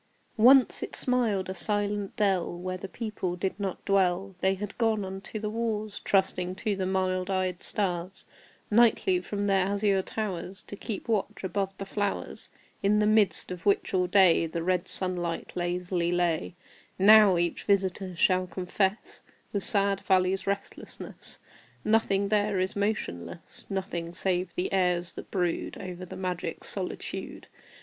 Once it smiled a silent dell Where the people did not dwell; They had gone unto the wars, Trusting to the mild eyed stars, Nightly, from their azure towers, To keep watch above the flowers, In the midst of which all day The red sun light lazily lay, Now each visitor shall confess The sad valley's restlessness. Nothing there is motionless Nothing save the airs that brood Over the magic solitude.